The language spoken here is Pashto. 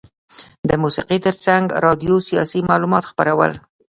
د موسیقي ترڅنګ راډیو سیاسي معلومات خپرول.